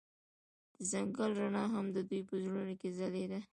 د ځنګل رڼا هم د دوی په زړونو کې ځلېده.